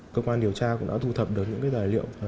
cơ quan điều tra cũng đã thu thập được những tài liệu